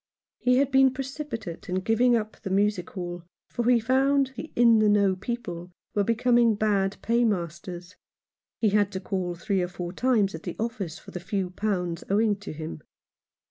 He had been pre cipitate in giving up the music hall, for he found the In the Know people were becoming bad paymasters. He had to call three or four times at the office for the few pounds owing to him.